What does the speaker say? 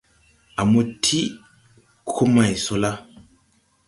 A mo tiʼ ko may so la.